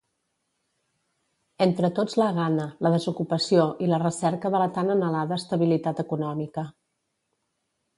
Entre tots la Gana, la desocupació i la recerca de la tan anhelada estabilitat econòmica.